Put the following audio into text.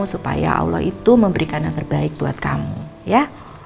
supaya allah itu memberikan yang terbaik buat kamu ya